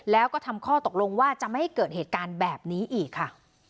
แล้วก็ทำข้อตกลงว่าจะไม่ให้เกิดเหตุการณ์แบบนี้อีกค่ะ